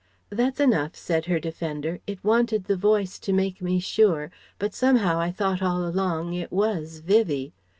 "That's enough," said her defender, "it wanted the voice to make me sure; but somehow I thought all along it was Vivie.